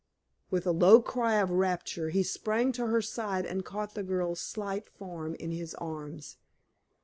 With a low cry of rapture, he sprang to her side and caught the girl's slight form in his arms.